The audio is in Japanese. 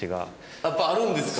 やっぱあるんですか？